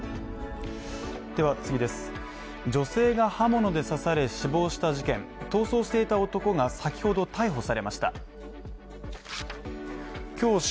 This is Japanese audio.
女性が刃物で刺され死亡した事件、逃走していた男が先ほど逮捕されました。